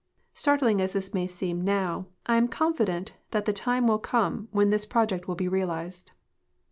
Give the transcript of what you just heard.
Startling as this may seem now, I am confident the time will come when this project will l^e realized."